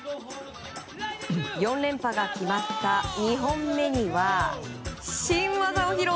４連覇が決まった２本目には新技を披露。